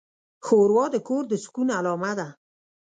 ښوروا د کور د سکون علامه ده.